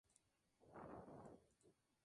En cualquier notaría pueden informar de ese tema.